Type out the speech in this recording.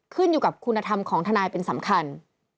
ขึ้นอยู่กับคุณธรรมของทนายเป็นสำคัญ